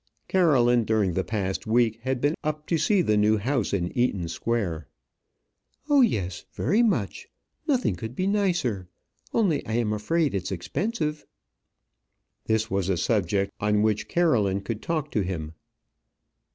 Caroline during the past week had been up to see the new house in Eaton Square. "Oh, yes; very much. Nothing could be nicer. Only I am afraid it's expensive." This was a subject on which Caroline could talk to him.